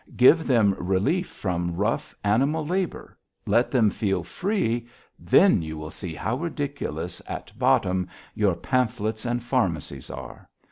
Give them some relief from rough, animal labour, let them feel free, then you will see how ridiculous at bottom your pamphlets and pharmacies are.